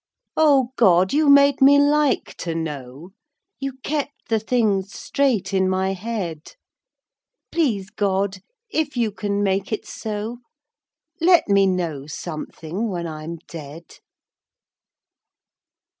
O God, you made me like to know, You kept the things straight in my head, Please God, if you can make it so, Let me know something when I'm dead.